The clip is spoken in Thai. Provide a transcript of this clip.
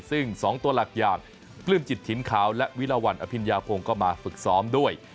ซึ่ง๒ตัวหลักอย่างปลื้มจิตถิ่นขาวและวิลาวันอภิญญาพงศ์ก็มาฝึกซ้อมด้วย